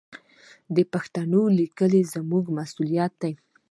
د پښتو لیکل زموږ مسوولیت دی.